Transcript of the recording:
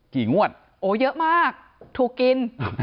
งวดโอ้เยอะมากถูกกิน